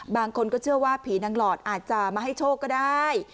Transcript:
บางคนก็เชื่อว่าผีนางหลอดอาจจะมาให้โชคก็ได้